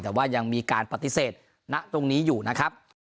แต่ว่ายังมีการปฏิเสธณตรงนี้อยู่นะครับ